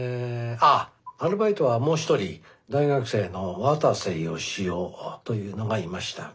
あアルバイトはもう一人大学生の渡瀬義雄というのがいました。